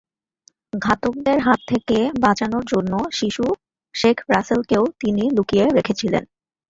ঘাতকদের হাত থেকে বাঁচানোর জন্য শিশু শেখ রাসেলকেও তিনি লুকিয়ে রেখেছিলেন।